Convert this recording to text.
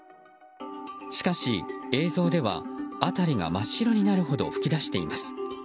しかし映像では辺りが真っ白になるほど噴き出しています。